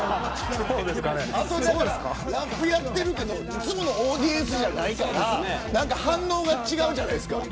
いつものオーディエンスじゃないから反応が違うじゃないですか。